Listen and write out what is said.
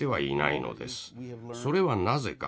それはなぜか。